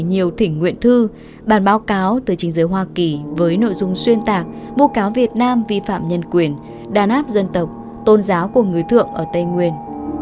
nhiều thỉnh nguyện thư bản báo cáo từ chính giới hoa kỳ với nội dung xuyên tạc vô cáo việt nam vi phạm nhân quyền đàn áp dân tộc tôn giáo của người thượng ở tây nguyên